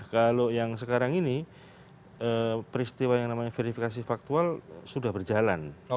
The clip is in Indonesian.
kalau yang sekarang ini peristiwa yang namanya verifikasi faktual sudah berjalan